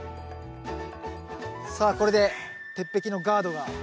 さあこれで鉄壁のガードが。